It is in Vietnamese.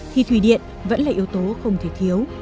thì thủy điện vẫn là yếu tố không thể thiếu